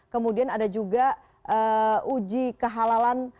kemudian ada juga uji kehalalan